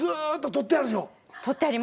とってありますね。